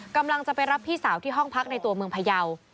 กำลังจะไปรับพี่สาวที่ห้องพักในตัวเมืองพยาว